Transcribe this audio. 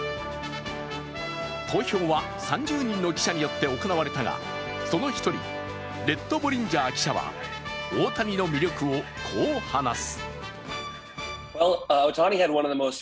投票は３０人の記者によって行われたがその１人、レット・ボリンジャー記者は大谷の魅力をこう話す。